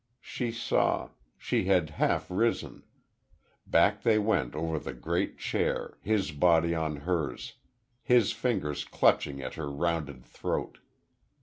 She saw; she had half risen.... Back they went over the great chair, his body on hers, his fingers clutching at her rounded throat.